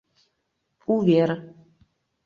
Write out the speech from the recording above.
«Увер...»